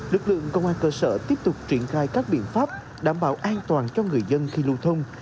lực lượng công an cơ sở tiếp tục triển khai các biện pháp đảm bảo an toàn cho người dân khi lưu thông